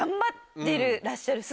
てらっしゃる姿。